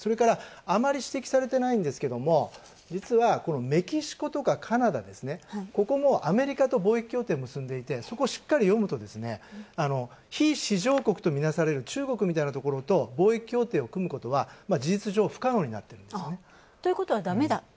あまり指摘されていないんですけれども実は、メキシコとかカナダここも、アメリカと貿易協定を結んでいてそこしっかり読むと非市場国とみなされる中国みたいなところ貿易協定を組むことは事実上不可能になっているんですよね。ということは、だめだ。